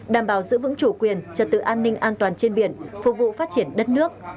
đảm bảo giữ vững chủ quyền trật tự an ninh an toàn trên biển phục vụ phát triển đất nước